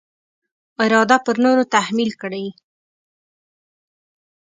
اراده پر نورو تحمیل کړي.